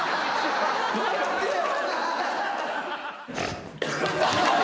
待ってよ。